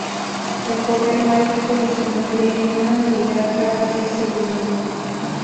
El poder mágico disminuye en una unidad cada seis segundos.